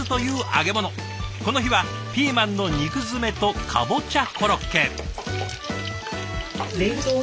この日はピーマンの肉詰めとかぼちゃコロッケ。